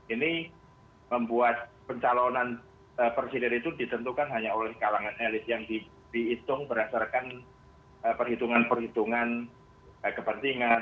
ini membuat pencalonan presiden itu ditentukan hanya oleh kalangan elit yang dihitung berdasarkan perhitungan perhitungan kepentingan